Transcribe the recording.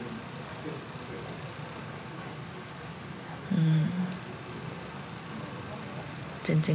うん。